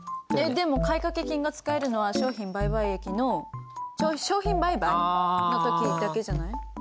でも買掛金が使えるのは商品売買益の商品売買の時だけじゃない？